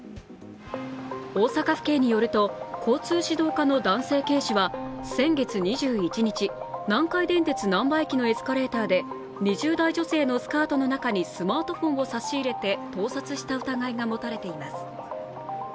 大阪府警によると交通指導課の男性警視は先月２１日、南海電鉄・なんば駅のエスカレーターで２０代女性のスカートの中にスマートフォンを差し入れて盗撮した疑いが持たれています。